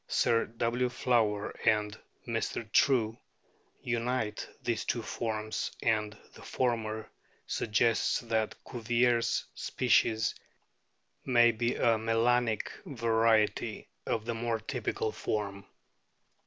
Sir W. Flower and Mr. True unite these two forms, and the former suggests that Cuvier's "species" may be a melanic variety of the more typical form.